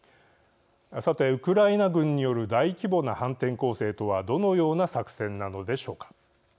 さて、ウクライナ軍による大規模な反転攻勢とはどのような作戦なのでしょうか。